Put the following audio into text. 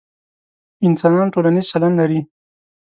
انسانان ټولنیز چلند لري،